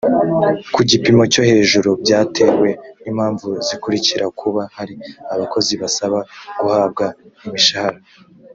ku gipimo cyo hejuru byatewe n impamvu zikurikira kuba hari abakozi basaba guhabwa imishahara